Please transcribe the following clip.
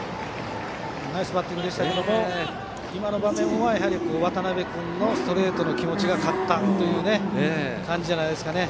ナイスバッティングでしたけども今の場面は渡辺君のストレートの気持ちが勝ったという感じですね。